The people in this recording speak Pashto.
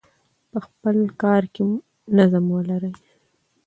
په خپل کار کې نظم ولرئ.